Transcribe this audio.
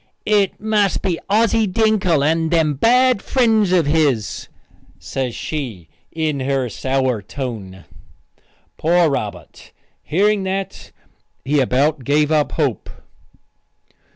"It must be Ossy Dinkle and them bad friends of his," says she, in her sour tone. Poor Robert! Hearing that, he about gave up hope.